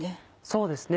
そうですね